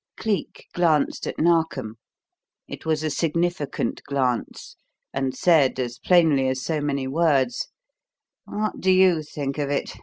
Cleek glanced at Narkom. It was a significant glance, and said as plainly as so many words: "What do you think of it?